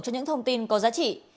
cho những thông tin có giá trị